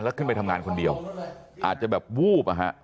แล้วขึ้นไปทำงานคนเดียวอาจจะแบบวูบอ่ะฮะ